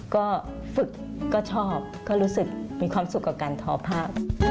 ก็ฝึกก็ชอบก็รู้สึกมีความสุขกับการทอภาพ